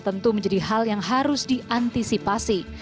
tentu menjadi hal yang harus diantisipasi